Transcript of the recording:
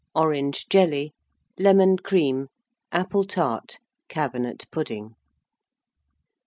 Orange Jelly. Lemon Cream. Apple Tart. Cabinet Pudding.